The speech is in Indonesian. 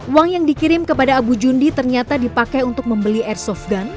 uang yang dikirim kepada abu jundi ternyata dipakai untuk membeli airsoft gun